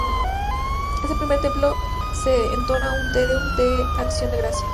En el primer templo se entona un Tedeum en acción de gracias.